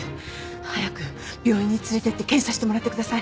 早く病院に連れてって検査してもらってください。